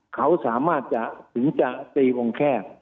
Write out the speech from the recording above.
เขาสามารถจะถึงจะตีวงแคบ